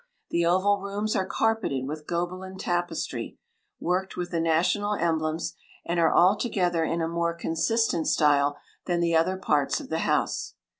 The oval rooms are carpeted with Gobelin tapestry, worked with the national emblems; and are altogether in a more consistent style than the other parts of the house.